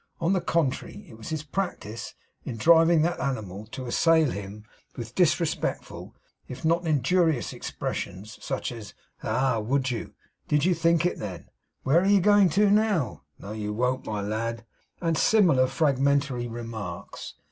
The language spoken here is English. On the contrary, it was his practice, in driving that animal, to assail him with disrespectful, if not injurious, expressions, as, 'Ah! would you!' 'Did you think it, then?' 'Where are you going to now?' 'No, you won't, my lad!' and similar fragmentary remarks.